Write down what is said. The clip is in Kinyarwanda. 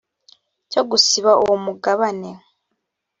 cyo gusiba uwo mugabane